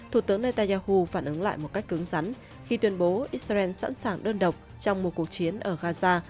thủ tướng netanyahu phản ứng lại một cách cứng rắn khi tuyên bố israel sẵn sàng đơn độc trong một cuộc chiến ở gaza